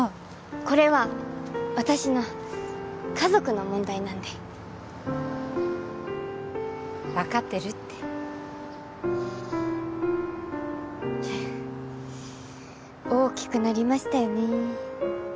これは私の家族の問題なんで分かってるって大きくなりましたよね